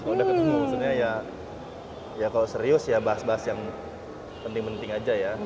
kalau udah ketemu maksudnya ya kalau serius ya bahas bahas yang penting penting aja ya